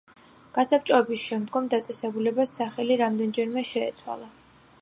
გასაბჭოების შემდგომ დაწესებულებას სახელი რამდენჯერმე შეეცვალა.